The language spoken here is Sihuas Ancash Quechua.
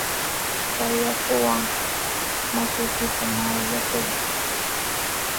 Kay yakuwan makiykita mayllakuy.